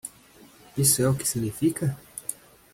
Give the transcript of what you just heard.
Isso é o que significa!